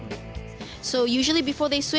jadi biasanya sebelum mereka menangis